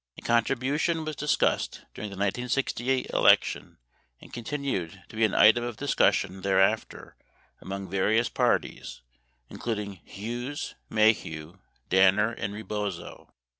A contribution was discussed during the 1968 election and continued to be an item of discussion thereafter among various parties, including Hughes, Maheu, Danner, and Rebozo.